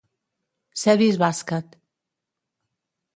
Sedis Bàsquet.